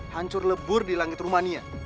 hancur lebur di langit rumania